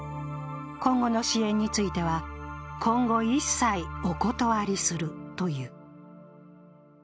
今後の支援については、今後一切お断りするという。